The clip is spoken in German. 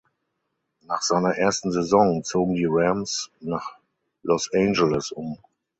Nach seiner ersten Saison zogen die Rams nach Los Angeles um.